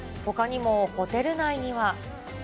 ほかにもホテル内には。